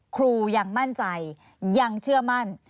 ครูยังมั่นใจยังเชื่อมั่น